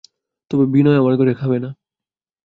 তবে বিনয় আমার ঘরে খাবে না?